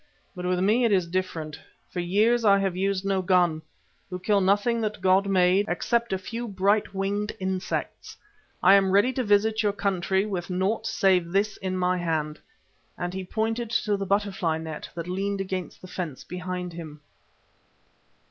But with me it is different. For years I have used no gun, who kill nothing that God made, except a few bright winged insects. I am ready to visit your country with naught save this in my hand," and he pointed to the butterfly net that leaned against the fence behind him.